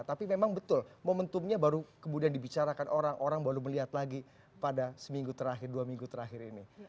tapi memang betul momentumnya baru kemudian dibicarakan orang orang baru melihat lagi pada seminggu terakhir dua minggu terakhir ini